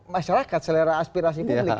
masyarakat selera aspirasi publik